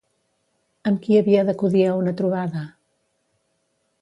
Amb qui havia d'acudir a una trobada?